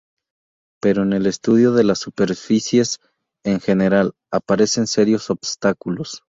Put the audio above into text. Pero en el estudio de las superficies, en general, aparecen serios obstáculos.